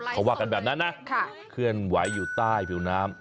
เขาว่ากันแบบนั้นนะเคลื่อนไหวอยู่ใต้ผิวน้ำ